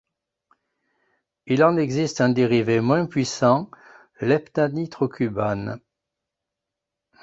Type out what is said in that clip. Il en existe un dérivé moins puissant, l'heptanitrocubane.